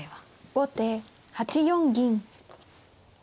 後手８四銀。